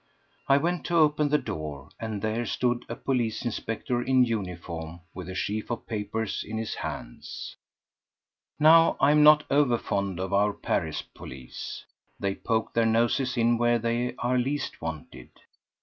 I went to open the door, and there stood a police inspector in uniform with a sheaf of papers in his hand. Now, I am not over fond of our Paris police; they poke their noses in where they are least wanted.